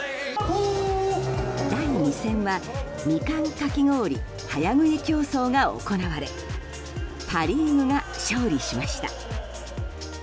第２戦はみかんかき氷早食い競争が行われパ・リーグが勝利しました。